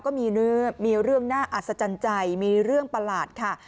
ก็มีเรื่องน่าอัศจรรย์ใจมีเรื่องประหลาดค่ะ